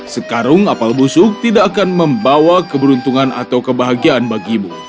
sekarung apel busuk tidak akan membawa keberuntungan atau kebahagiaan bagimu